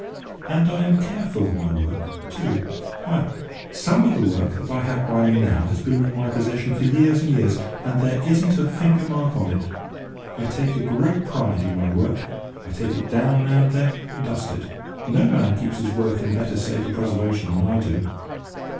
And I am careful of my work, too. Why, some of the work that I have by me now has been in my possession for years and years, and there isn't a finger mark on it. I take a great pride in my work; I take it down now and then and dust it. No man keeps his work in a better state of preservation than I do.